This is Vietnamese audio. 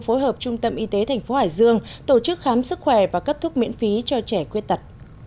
phối hợp trung tâm y tế tp hải dương tổ chức khám sức khỏe và cấp thuốc miễn phí cho trẻ khuyết tật